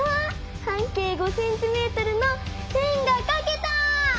半径５ｃｍの円がかけた！